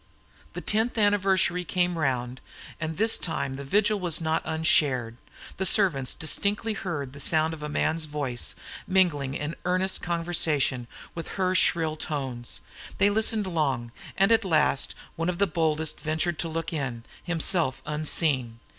The tenth anniversary came round, and this time the vigil was not unshared. The servants distinctly heard the sound of a man's voice mingling in earnest conversation with her shrill tones; they listened long, and at last one of the boldest ventured to look in, himself unseen.